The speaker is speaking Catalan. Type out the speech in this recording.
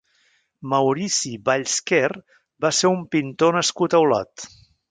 Maurici Vallsquer va ser un pintor nascut a Olot.